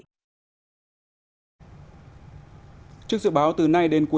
trước dự báo từ nay đến cuối năm thời tiết còn diễn biến phức tạp